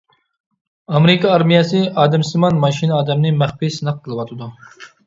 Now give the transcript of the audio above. ئامېرىكا ئارمىيەسى ئادەمسىمان ماشىنا ئادەمنى مەخپىي سىناق قىلىۋاتىدۇ.